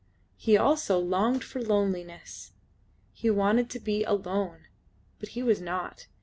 He also longed for loneliness. He wanted to be alone. But he was not.